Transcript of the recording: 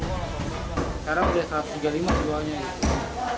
sekarang sudah satu ratus tiga puluh lima ribu rupiah